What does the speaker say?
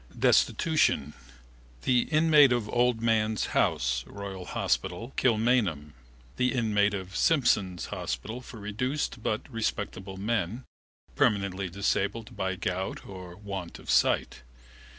Destitution: the inmate of Old Man's House (Royal Hospital), Kilmainham, the inmate of Simpson's Hospital for reduced but respectable men permanently disabled by gout or want of sight.